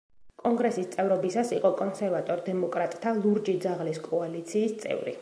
კონგრესის წევრობისას, იყო კონსერვატორ დემოკრატთა „ლურჯი ძაღლის კოალიციის“ წევრი.